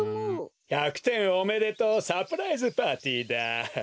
１００点おめでとうサプライズパーティーだ。